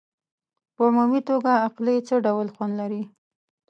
په عمومي توګه القلي څه ډول خوند لري؟